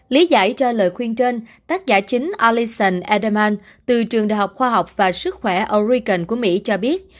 lý giải cho lời khuyên trên tác giả chính allison edelman từ trường đại học khoa học và sức khỏe oregon của mỹ cho biết